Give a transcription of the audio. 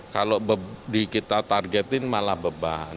kalau kita targetin malah beban